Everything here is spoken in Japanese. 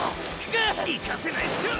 行かせないっショ！